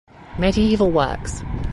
Medieval works